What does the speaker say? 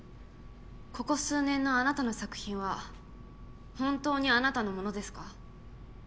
ここ数年のあなたの作品は本当にあなたのものですか？